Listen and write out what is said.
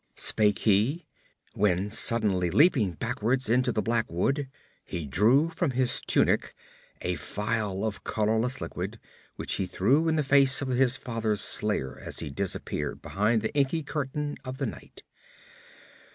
spake he, when, suddenly leaping backwards into the black wood, he drew from his tunic a phial of colourless liquid which he threw in the face of his father's slayer as he disappeared behind the inky curtain of the night.